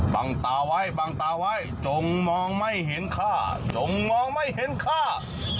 ตาไว้บังตาไว้จงมองไม่เห็นค่าจงมองไม่เห็นค่า